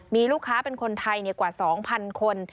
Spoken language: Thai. มีลูกค้าเป็นคนไทยกว่า๒๐๐คน